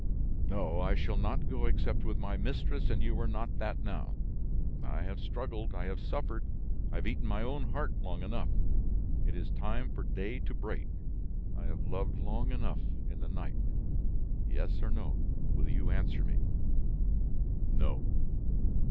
"No, I shall not go except with my mistress and you are not that now. I have struggled, I have suffered, I have eaten my own heart long enough. It is time for day to break, I have loved long enough in the night. Yes or no, will you answer me?" "No."